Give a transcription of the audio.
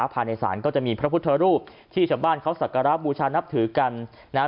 ภายในศาลก็จะมีพระพุทธรูปที่ชาวบ้านเขาสักการะบูชานับถือกันนะฮะ